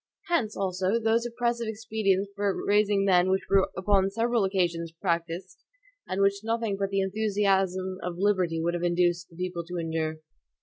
Hence, also, those oppressive expedients for raising men which were upon several occasions practiced, and which nothing but the enthusiasm of liberty would have induced the people to endure.